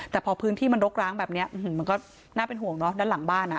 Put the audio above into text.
แต่พอพื้นที่มันรกร้างแบบนี้มันก็น่าเป็นห่วงเนอะด้านหลังบ้านอ่ะ